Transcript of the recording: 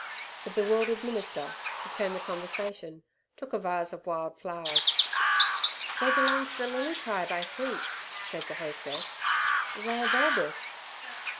The bewildered minister, to turn the conversation, took a vase of wild flowers. "They belong to the lily tribe, I think," said the hostess. "They are bulbous."